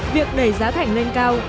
việc đẩy giá thành lên cao